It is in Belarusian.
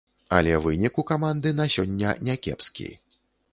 Але вынік у каманды на сёння някепскі.